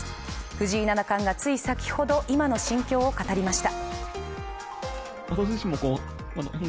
藤井七冠がつい先ほど、今の心境を語りました。